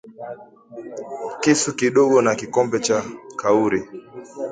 kisu kidogo na kikombe cha kauri